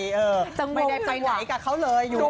มึงได้ไหวกับเขาเลย